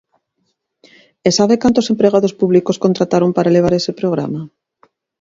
¿E sabe cantos empregados públicos contrataron para levar ese programa?